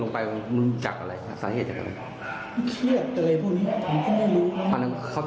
โดดลงมาโดดจากชั้นโดดลงมาหรือโดดจาก